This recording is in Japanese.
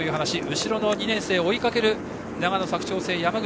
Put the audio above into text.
後ろの２年生、追いかける長野の佐久長聖、山口。